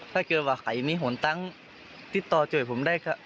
ถ้าเกิดว่าใครมีหนตังค์ติดต่อช่วยผมได้ครับ